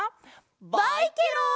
バイケロン！